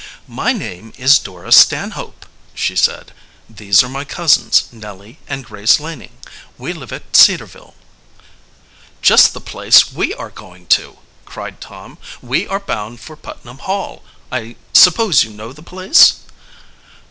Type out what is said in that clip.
"My name is Dora Stanhope," she said. "These are my cousins Nellie and Grace Laning. We live at Cedarville." "Just the place we are going to!" cried Tom. "We are bound for Putnam Hall. I suppose you know the place?"